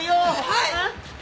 はい。